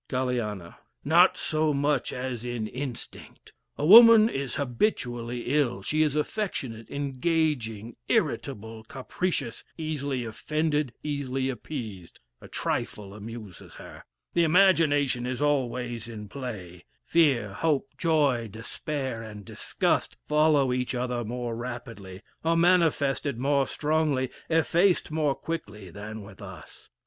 Galiana. Not so much as in instinct. A woman is habitually ill. She is affectionate, engaging, irritable, capricious, easily offended, easily appeased, a trifle amuses her. The imagination is always in play. Fear, hope, joy, despair, and disgust, follow each other more rapidly, are manifested more strongly, effaced more quickly, than with us.